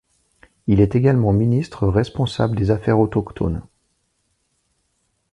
Il est également ministre responsable des Affaires autochtones.